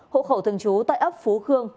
hộ khẩu thường trú tại ấp phú khương